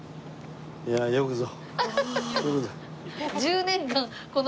いやよくぞ。